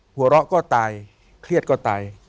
หัวเราะก็ตายเครียดก็ตาย